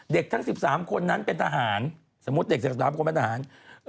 ทั้ง๑๓คนนั้นเป็นทหารสมมุติเด็ก๑๓คนเป็นทหาร